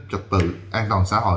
trật tự an toàn xã hội